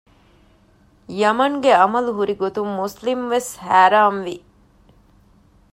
ޔަމަންގެ އަމަލު ހުރިގޮތުން މުސްލިމް ވެސް ހައިރާން ވި